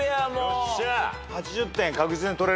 よっしゃ。